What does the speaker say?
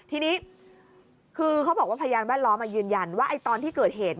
ทีนี้คือเขาบอกว่าพยานแวดล้อมยืนยันว่าตอนที่เกิดเหตุ